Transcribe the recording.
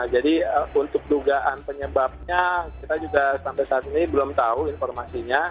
jadi untuk dugaan penyebabnya kita juga sampai saat ini belum tahu informasinya